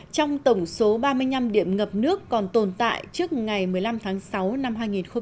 trong tổng số ba mươi năm điểm ngập nước còn tồn tại trước ngày một mươi năm tháng sáu năm hai nghìn một mươi chín